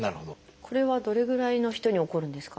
これはどれぐらいの人に起こるんですか？